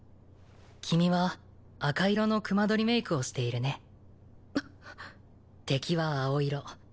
君は赤色の隈取りメイクをしているね敵は青色鬼や妖怪なら茶色